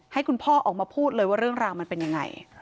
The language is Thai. ให้คุณพ่อออกมาพูดเลยว่าเรื่องราวมันเป็นยังไง